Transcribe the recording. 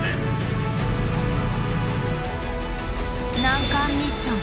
難関ミッション